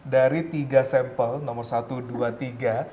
dari tiga sampel nomor satu dua tiga